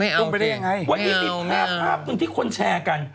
อุ๊ยอุ้มไปได้ยังไงไม่เอาไม่เอาวันนี้ติดภาพภาพหนึ่งที่คนแชร์กัน